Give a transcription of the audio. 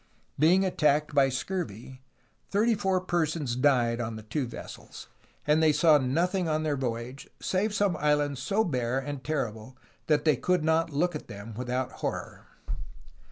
Being attacked by scurvy, thirty four persons died on the two vessels, and they saw nothing on their voyage save some islands so bare and terrible that they could not look at them without horror.